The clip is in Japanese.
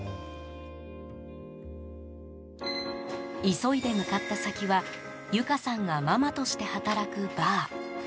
急いで向かった先は由香さんがママとして働くバー。